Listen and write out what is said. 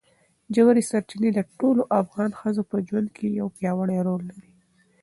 ژورې سرچینې د ټولو افغان ښځو په ژوند کې یو پیاوړی رول لري.